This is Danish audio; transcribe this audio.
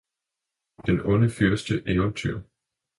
Den onde fyrste Eventyr